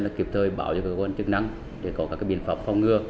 là kịp thời bảo cho các quân chức năng để có các cái biện pháp phong ngừa